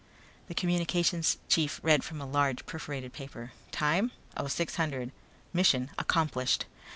The communications chief read from a large perforated paper. "Time 0600 mission accomplished.